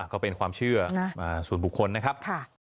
ก็เป็นความเชื่อส่วนบุคคลนะครับ